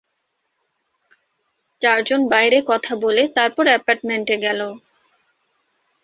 চারজন বাইরে কথা বলে তারপর অ্যাপার্টমেন্টে গেল।